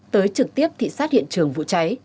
tới trực tiếp thị xác hiện trường vụ cháy